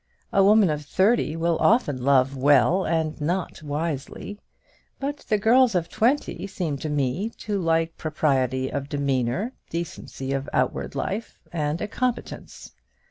A woman of thirty will often love well and not wisely; but the girls of twenty seem to me to like propriety of demeanour, decency of outward life, and a competence.